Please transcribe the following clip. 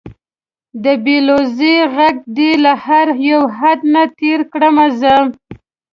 د بې لوظۍ غږ دې له هر یو حد نه تېر کړمه زه